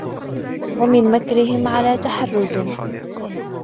وَمِنْ مَكْرِهِمْ عَلَى تَحَرُّزٍ